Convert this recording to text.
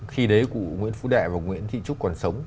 khi đấy cụ nguyễn phú đệ và nguyễn thị trúc còn sống